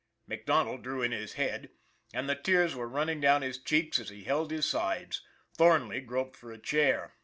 MacDonald drew in his head, and the tears were running down his cheeks as he held his sides. Thornley groped for a chair.